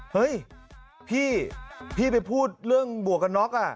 เฮ้ยพี่ไปพูดเรื่องหมวกกันน็อก